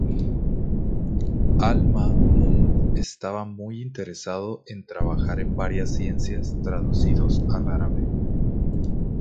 Al-Ma'mun estaba muy interesado en trabajar en varias ciencias traducidos al árabe.